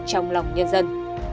trong lòng nhân dân